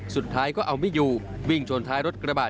สุดท้ายก็เอาไม่อยู่วิ่งชนท้ายรถกระบาด